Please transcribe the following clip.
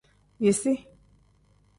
Yisi.